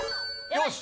よし！